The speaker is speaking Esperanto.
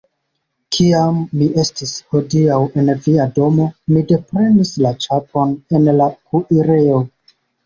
Kiam mi estis hodiaŭ en via domo, mi deprenis la ĉapon en la kuirejo.